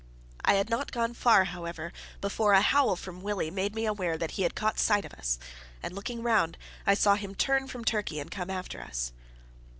I had not gone far, however, before a howl from Willie made me aware that he had caught sight of us; and looking round, I saw him turn from Turkey and come after us.